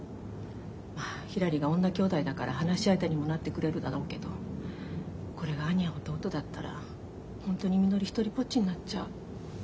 まあひらりが女姉妹だから話し相手にもなってくれるだろうけどこれが兄や弟だったらホントにみのり独りぽっちになっちゃう。